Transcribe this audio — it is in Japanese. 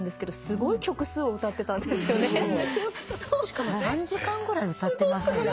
しかも３時間ぐらい歌ってませんでした？